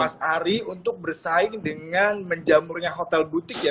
mas ari untuk bersaing dengan menjamurnya hotel butik ya